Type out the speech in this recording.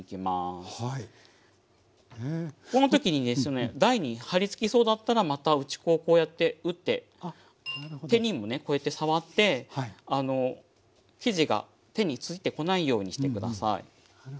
この時にですね台に貼りつきそうだったらまた打ち粉をこうやって打って手にもねこうやって触って生地が手に付いてこないようにして下さい。